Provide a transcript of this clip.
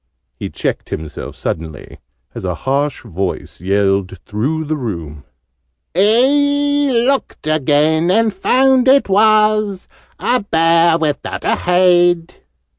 He checked himself suddenly, as a harsh voice yelled through the room, "He looked again, and found it was A Bear without a Head!"